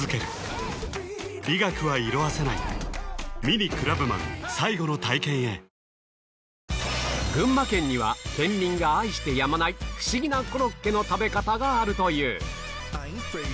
ニトリ群馬県には県民が愛してやまないフシギなコロッケの食べ方があるという